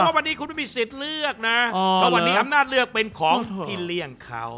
วันนี้คุณไม่มีสิทธิ์เลือกนะเพราะวันนี้อำนาจเลือกเป็นของพี่เลี่ยงเขา